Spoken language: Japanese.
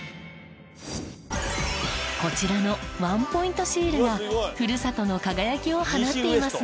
こちらのワンポイントシールがふるさとの輝きを放っていますね。